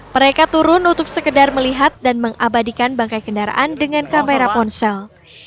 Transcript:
mereka turun untuk sekedar melihat dan mengabadikan bangkai kendaraan dengan kamera ponsel